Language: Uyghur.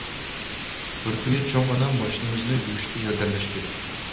بىر كۈنى چوڭ ئانام ماشىنىمىزنى يۇيۇشقا ياردەملەشتى.